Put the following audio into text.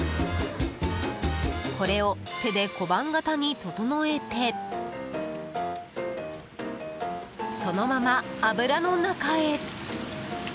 これを、手で小判形に整えてそのまま油の中へ。